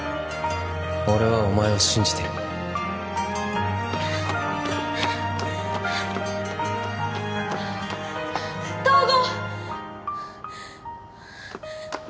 俺はお前を信じてる東郷！